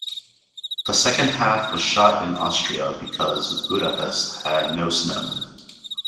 The second half was shot in Austria because Budapest had no snow.